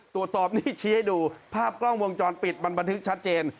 ตรวจสอบนี่ชี้ให้ดูภาพกล้องวงจรปิดมันบันทึกชัดเจน